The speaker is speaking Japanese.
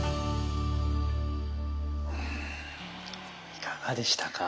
いかがでしたか？